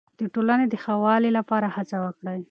د ټولنې د ښه والي لپاره هڅه وکړئ.